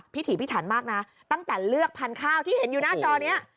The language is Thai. ถีพิถันมากนะตั้งแต่เลือกพันธุ์ข้าวที่เห็นอยู่หน้าจอนี้